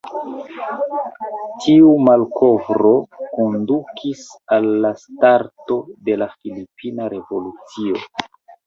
Tiu malkovro kondukis al la starto de la Filipina Revolucio.